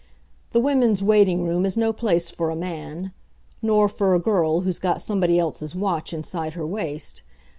The women's waiting room is no place for a man nor for a girl who's got somebody else's watch inside her waist.